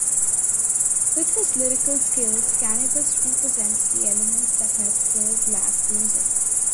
With his lyrical skills, Canibus represents the elements that helped build rap music.